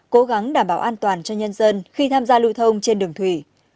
cố gắng đảm bảo an toàn cho nhân dân khi tham gia lưu thông trên đường thủy